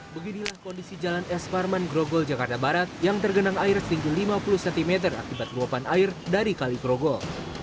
beginilah kondisi jalan s farman grogol jakarta barat yang tergenang air setinggi lima puluh cm akibat ruapan air dari kali krogol